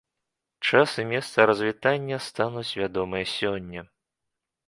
Час і месца развітання стануць вядомыя сёння.